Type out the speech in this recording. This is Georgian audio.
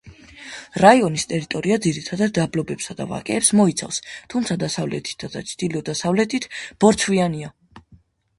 რაიონის ტერიტორია ძირითადად დაბლობებსა და ვაკეებს მოიცავს, თუმცა დასავლეთით და ჩრდილო-დასავლეთით ბორცვიანია.